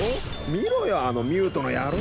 見ろよあのミュートの野郎。